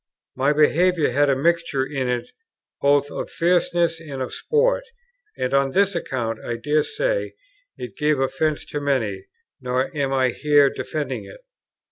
My behaviour had a mixture in it both of fierceness and of sport; and on this account, I dare say, it gave offence to many; nor am I here defending it.